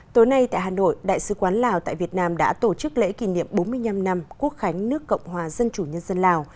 tối nay tại hà nội đại sứ quán lào tại việt nam đã tổ chức lễ kỷ niệm bốn mươi năm năm quốc khánh nước cộng hòa dân chủ nhân dân lào